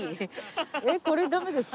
えっこれダメですか？